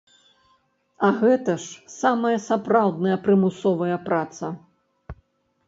А гэта ж самая сапраўдная прымусовая праца!